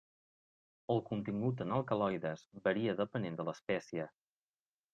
El contingut en alcaloides varia depenent de l'espècie.